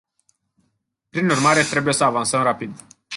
Prin urmare, trebuie să avansăm rapid.